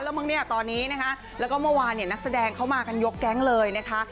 แล้วมั้งเนี่ยตอนนี้นะคะแล้วก็เมื่อวานเนี่ยนักแสดงเข้ามากันยกแก๊งเลยนะคะ